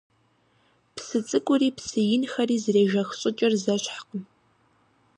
Псы цӀыкӀури псы инхэри зэрежэх щӀыкӀэр зэщхькъым.